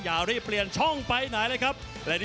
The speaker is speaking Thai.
อย่ารีบเปลี่ยนช่องไปไหนเลยครับ